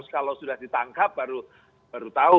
kalau sudah ditangkap baru tahu